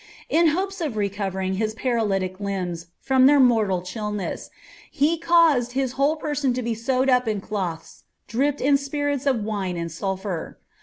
In lopes of recoverBf ka paralytic limbs from their mortal cbillness. ht aitsed his whole p«>* to be sewn up in cloths dipped in spirits of wine and salpfanr.